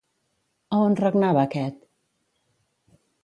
A on regnava aquest?